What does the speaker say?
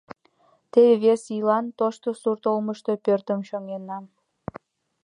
Теве вес ийлан тошто сурт олмышто пӧртым чоҥена.